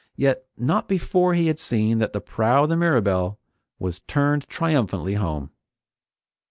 Yet not before he had seen that the prow of the Mirabelle was turned triumphantly home!